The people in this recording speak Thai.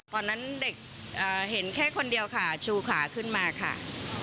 ตอนนั้นเด็กเห็นแค่คนเดียวค่ะชูขาขึ้นมาค่ะ